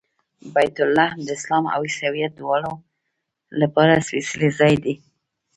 بیت لحم د اسلام او عیسویت دواړو لپاره سپېڅلی ځای دی.